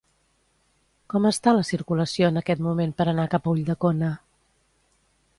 Com està la circulació en aquest moment per anar cap a Ulldecona?